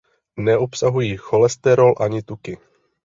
Neobsahují cholesterol ani tuky.